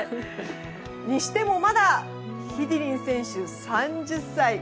にしても、まだヒディリン選手、３０歳。